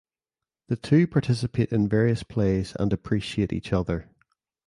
The two participate in various plays and appreciate each other.